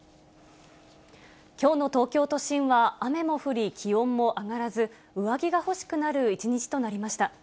きょうの東京都心は雨も降り、気温も上がらず、上着が欲しくなる一日となりました。